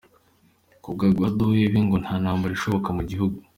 Kubwa Guaidó wewe, ngo nta ntambara ishoboka mu gihugu.